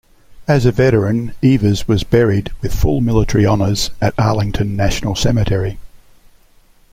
As a veteran, Evers was buried with full military honors at Arlington National Cemetery.